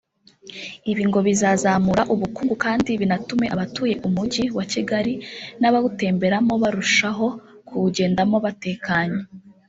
Ibyo ngo bizazamura ubukungu kandi binatume abatuye umujyi wa Kigali n’abawutemberamo barushaho kuwujyendamo batekanye